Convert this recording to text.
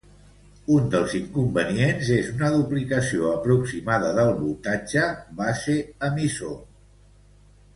Un dels inconvenients és una duplicació aproximada del voltatge base-emissor.